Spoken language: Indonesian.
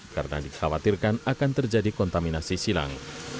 karena dikhawatirkan akan terjadi kontaminasi silang